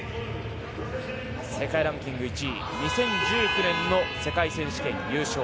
世界ランキング１位２０１９年の世界選手権優勝。